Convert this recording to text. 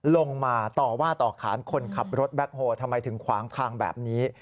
ลงมาต่อว่าต่อขานคนขับรถแบ็คโฮลทำไมถึงขวางทางแบบนี้